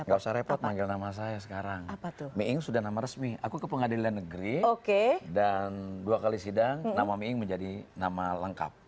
gak usah repot manggil nama saya sekarang miing sudah nama resmi aku ke pengadilan negeri dan dua kali sidang nama miing menjadi nama lengkap